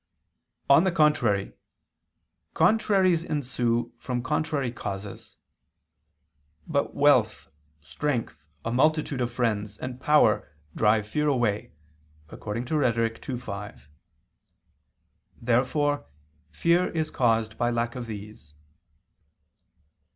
On the contrary, Contraries ensue from contrary causes. But "wealth, strength, a multitude of friends, and power drive fear away" (Rhet. ii, 5). Therefore fear is caused by lack of these.